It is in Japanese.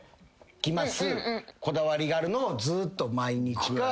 こだわりがあるのをずっと毎日か。